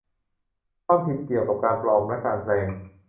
ความผิดเกี่ยวกับการปลอมและการแปลง